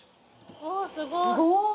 すごい。